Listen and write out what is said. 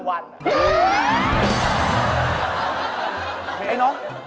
มีไอ้น้อง